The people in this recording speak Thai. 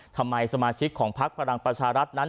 ทำไมสมาชิกของภักด์ฝรั่งประชารัฐนั้น